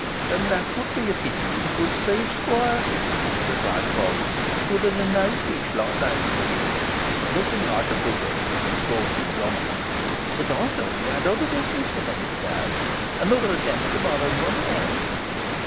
"And that would be a pity, in good sooth, squire," replied Fogg; "for there are no fish like those of the Ribble. Nothing I should prefer to the sport you promise; but I thought you had other business for me to day? Another attempt to borrow money eh?"